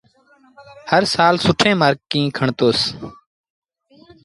هر سآل سُٺين مآرڪيٚن کڻتوس